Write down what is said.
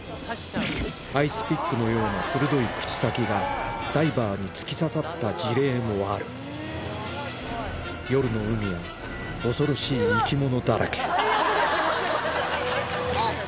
アイスピックのような鋭い口先がダイバーに突き刺さった事例もある夜の海は恐ろしい生き物だらけ